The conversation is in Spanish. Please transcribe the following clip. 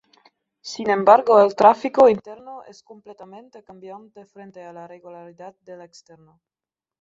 Sin embargo el tráfico interno es completamente cambiante frente a la regularidad del externo.